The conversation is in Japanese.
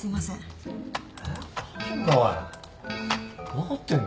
分かってんの？